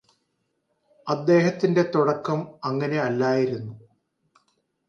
അദ്ദേഹത്തിന്റെ തുടക്കം അങ്ങനെ അല്ലായിരുന്നു